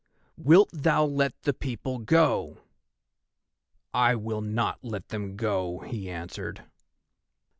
Wilt thou let the people go?" "I will not let them go," he answered.